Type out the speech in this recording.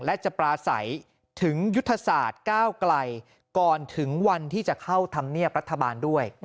และจะปราศัยถึงยุทธศาสตร์ก้าวไกลก่อนถึงวันที่จะเข้าธรรมเนียบรัฐบาลด้วย